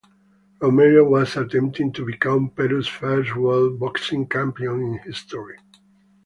Romero was attempting to become Peru's first world boxing champion in history.